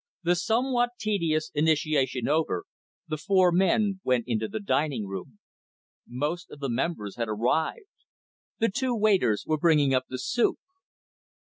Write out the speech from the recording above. The somewhat tedious initiation over, the four men went into the dining room. Most of the members had arrived. The two waiters were bringing up the soup.